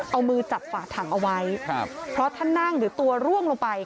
เอามือจับฝาถังเอาไว้ครับเพราะถ้านั่งหรือตัวร่วงลงไป